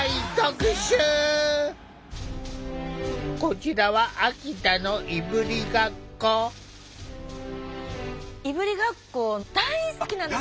こちらはいぶりがっこ大好きなんですよ！